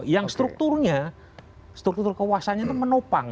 yang strukturnya struktur kekuasaannya itu menopang